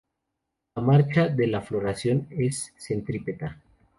La marcha de la floración es centrípeta.